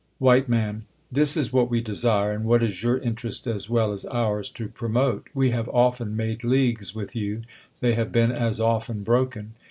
IV, Man. This is what we desire, and what is your interest as wcii as ours to promote. We have often made leagues with you; they have been as often broken.